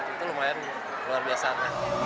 itu lumayan luar biasa